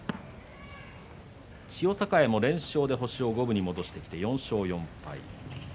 千代栄も連勝で星を五分に戻してきて４勝４敗